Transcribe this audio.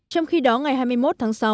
trong khi đó ngày hai mươi một tháng sáu